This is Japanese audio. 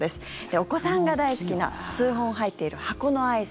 お子さんが大好きな数本入っている箱のアイス。